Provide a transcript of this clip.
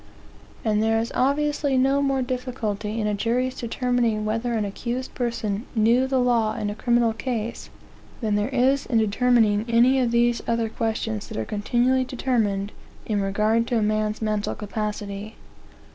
And there is obviously no more difficulty in a jury's determining whether an accused person knew the law in a criminal case, than there is in determining any of these other questions that are continually determined in regard to a man's mental capacity.